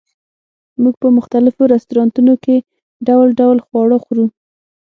موږ په مختلفو رستورانتونو کې ډول ډول خواړه خورو